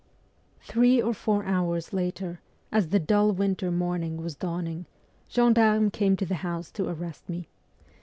Three or four hours later, as the dull winter morning was dawning, gendarmes came to the house to arrest me.